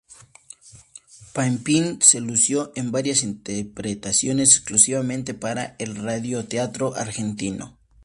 Pampín se lució en varias interpretaciones exclusivamente para el radioteatro argentino.